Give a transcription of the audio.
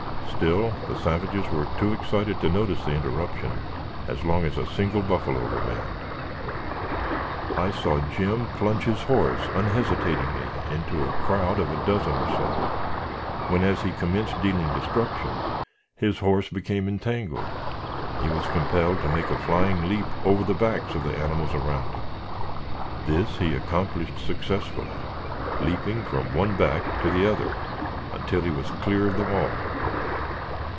Still, the savages were too excited to notice the interruption, as long as a single buffalo remained. I saw Jim plunge his horse unhesitatingly into a crowd of a dozen or so, when, as he commenced dealing destruction, his horse became entangled, and he was compelled to make a flying leap over the backs of the animals around him. This he accomplished successfully, leaping from one back to the other, until he was clear of them all.